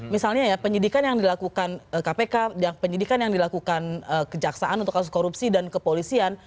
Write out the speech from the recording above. misalnya ya penyidikan yang dilakukan kpk penyidikan yang dilakukan kejaksaan untuk kasus korupsi dan kepolisian